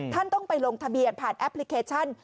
ท่านต้องไปลงทะเบียนผ่านแอปพลิเคชัน